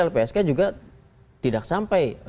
lpsk juga tidak sampai